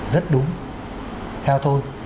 rất đúng theo tôi